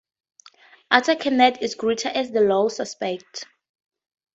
Arthur Kennedy is great as the law's suspect.